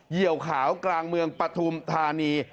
เหี่ยวขาวกลางเมืองปฐุมธานี